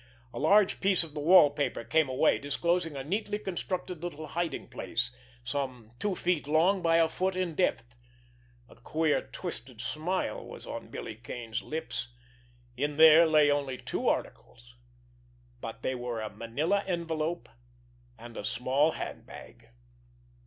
A large piece of the wall paper came away, disclosing a neatly constructed little hiding place, some two feet long by a foot in depth. A queer, twisted smile was on Billy Kane's lips. In there lay only two articles—but they were a manila envelope, and a small handbag.